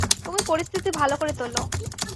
তুমি পরিস্থিতি ভালো করে তোলো।